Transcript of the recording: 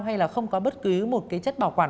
hay là không có bất cứ một cái chất bảo quản